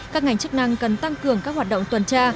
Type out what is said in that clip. các ngành chức năng cần tăng cường các hoạt động tuần tra